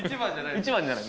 一番じゃない。